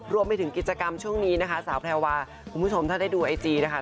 รวมไปถึงกิจกรรมช่วงนี้นะคะสาวแพรวาคุณผู้ชมถ้าได้ดูไอจีนะคะ